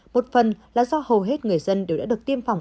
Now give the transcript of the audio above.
một phần là do hầu hết người dân đều đã được tiêm phòng